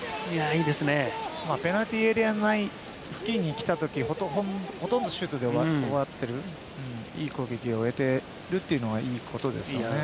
ペナルティーエリア内付近に来た時ほとんどシュートで終わっているいい攻撃で終えているのはいいことですね。